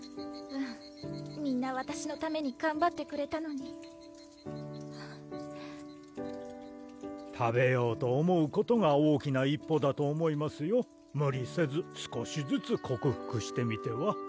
うんみんなわたしのためにがんばってくれたのに食べようと思うことが大きな一歩だと思いますよ無理せず少しずつ克服してみては？